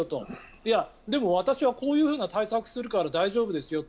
いや、でも、私はこういう対策をするから大丈夫ですよと。